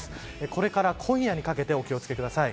これから今夜にかけてお気を付けください。